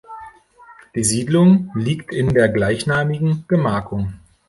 Die Siedlung liegt in der gleichnamigen Gemarkung.